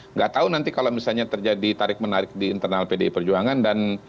nggak tahu nanti kalau misalnya terjadi tarik menarik di internal pdi perjuangan dan